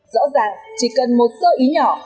rõ ràng chỉ cần một sơ ý nhỏ